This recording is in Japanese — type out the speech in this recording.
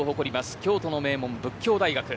京都の名門、佛教大学。